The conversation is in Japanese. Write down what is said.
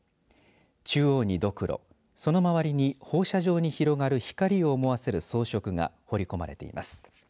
中央にどくろその周りに放射状に広がる光を思わせる装飾が彫り込まれています。